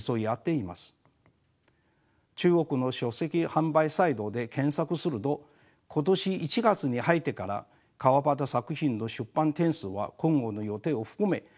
中国の書籍販売サイトで検索すると今年１月に入ってから川端作品の出版点数は今後の予定を含め８０冊を超えています。